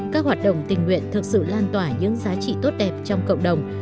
các hoạt động tình nguyện thực sự lan tỏa những giá trị tốt đẹp trong cộng đồng